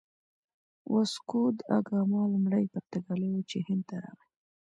واسکوداګاما لومړی پرتګالی و چې هند ته راغی.